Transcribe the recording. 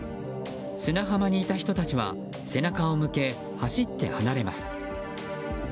砂浜にいた人たちは背中を向け走って離れます。